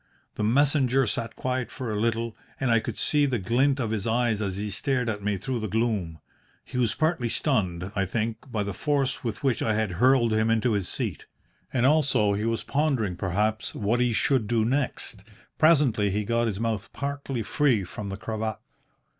"The messenger sat quiet for a little, and I could see the glint of his eyes as he stared at me through the gloom. He was partly stunned, I think, by the force with which I had hurled him into his seat. And also he was pondering, perhaps, what he should do next. Presently he got his mouth partly free from the cravat.